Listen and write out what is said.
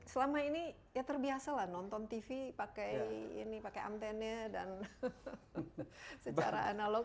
selama ini ya terbiasalah nonton tv pakai antennya dan secara analog